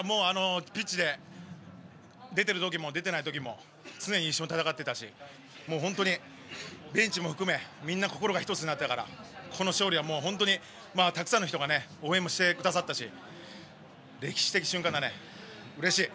ピッチに出ている時も出ていない時も常に一緒に戦っていたしベンチも含めみんな心が１つになっていたからこの勝利はたくさんの人が応援してくれて歴史的瞬間だね、うれしい。